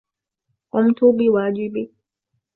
قمت بواجبي.